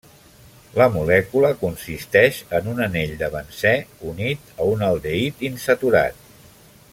La molècula consisteix en un anell de benzè unit a un aldehid insaturat.